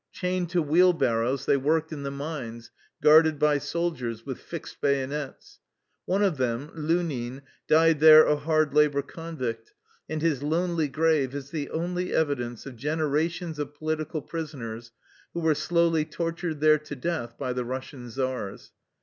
Chained to wheelbarrows they worked in the mines guarded by soldiers with fixed bayonets. One of them, Lunin, died there a hard labor convict, and his lonely grave is the only evidence of gen erations of political prisoners who were slowly tortured there to death by the Russian czars.